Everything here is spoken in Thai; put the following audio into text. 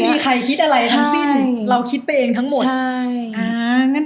เราจะคิดอะไรทั้งสิ้นเราคิดไปเองทั้งหมด